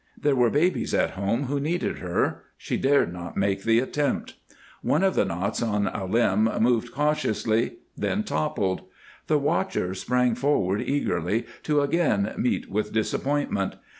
There were babies at home who needed her; she dared not make the attempt. One of the knots on a limb moved cautiously, then toppled. The watcher sprang forward eagerly, to again meet with disappointment.